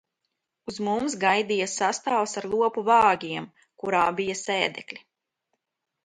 Uz mums gaidīja sastāvs ar lopu vāģiem, kurā bija sēdekļi.